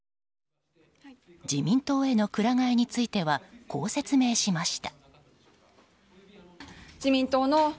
自民党への鞍替えについてはこう説明しました。